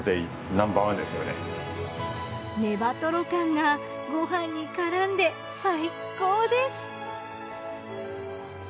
ねばとろ感がご飯に絡んで最高です。